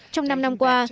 trong năm năm qua